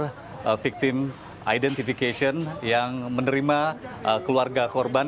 ada victim identification yang menerima keluarga korban